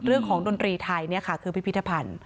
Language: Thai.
เรื่องของดนตรีไทยนี่ค่ะคือพิพิธภัณฑ์